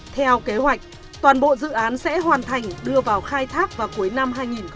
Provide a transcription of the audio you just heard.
theo kế hoạch toàn bộ dự án sẽ hoàn thành đưa vào khai thác vào cuối năm hai nghìn hai mươi